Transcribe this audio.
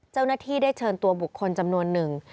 เจ้าหน้าที่ได้เชิญตัวบุคคลจำนวนหนึ่ง